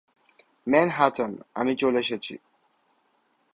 Manhattan, আমি চলে এসেছি।